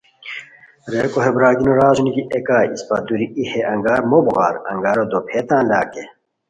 ریکو ہے برارگینی را اسونی کی اےکائے اسپہ دوری ای ہے انگار مو بوغار، انگارو دوپھئےتان لاکے